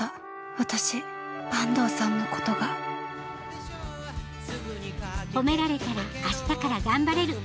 私坂東さんのことがほめられたら明日から頑張れる。